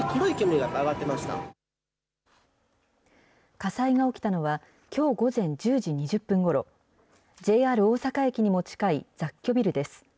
火災が起きたのはきょう午前１０時２０分ごろ、ＪＲ大阪駅にも近い雑居ビルです。